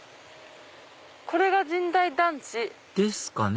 これが神代団地。ですかね